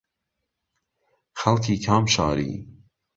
خەڵکی کام شاری